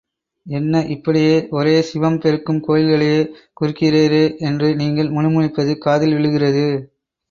என்ன, இப்படியே ஒரே சிவம் பெருக்கும் கோயில்களையே குறிக்கிறீரே என்று நீங்கள் முணு முணுப்பது காதில் விழுகிறது.